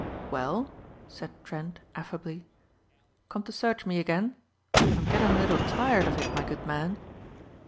"Well?" said Trent affably, "come to search me again. I'm getting a little tired of it, my good man."